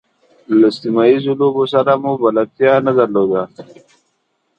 له سیمه ییزو لوبو سره مو بلدتیا نه درلوده.